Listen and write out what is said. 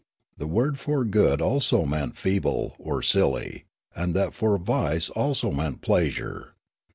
The word for "good" also meant "feeble" or "silly," that for "vice" also, meant "pleasure."